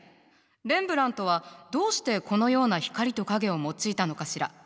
レンブラントはどうしてこのような光と影を用いたのかしら？